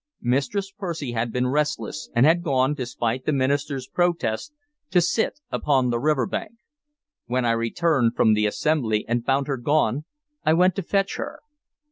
Mistress Percy had been restless, and had gone, despite the minister's protests, to sit upon the river bank. When I returned from the assembly and found her gone, I went to fetch her.